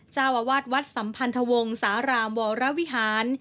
เจ้าอาวาสวัดสัมพันธวงสารามวรวิหาร